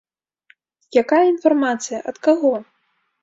Якая інфармацыя, ад каго?